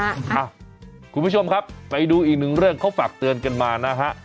คุณผู้ชมครับไปดูอีกหนึ่งเรื่องเขาฝากเตือนกันมานะฮะ